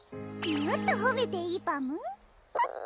もっとほめていいパムコ